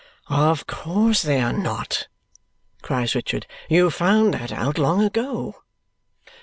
"Of course they are not!" cries Richard. "You found that out long ago."